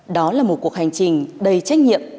đó là một cuộc hành trình đầy trách nhiệm